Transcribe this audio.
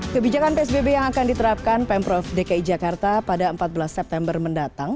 kebijakan psbb yang akan diterapkan pemprov dki jakarta pada empat belas september mendatang